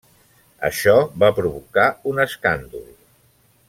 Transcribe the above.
Això va provocar un escàndol.